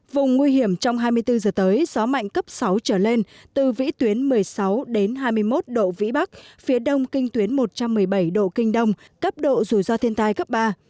vùng nguy hiểm trong hai mươi bốn h tới gió mạnh cấp sáu trở lên từ vĩ tuyến một mươi sáu hai mươi một độ vĩ bắc phía đông kinh tuyến một trăm một mươi bảy độ kinh đông cấp độ rủi ro thiên tai cấp ba